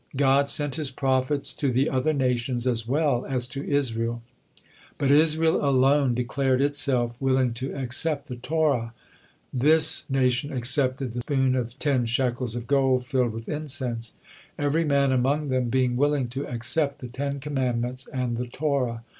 God sent His prophets to the other nations as well as to Israel, but Israel alone declared itself willing to accept the Torah. This nation accepted "the spoon of then shekels of gold filled with incense," every man among them being willing to accept the Ten Commandments and the Torah.